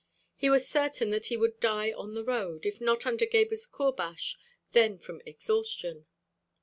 He was certain that he would die on the road; if not under Gebhr's courbash, then from exhaustion.